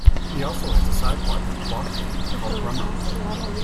He also has a side-project rock band called Drummer.